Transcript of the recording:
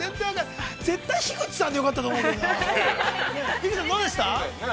◆樋口さん、どうでしたか。